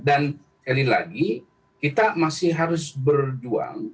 dan sekali lagi kita masih harus berjuang